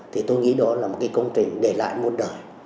thì tôi nghĩ đó là một cái công trình để lại muôn đời